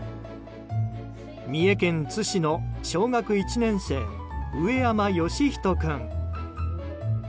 三重県津市の小学１年生上山義仁君。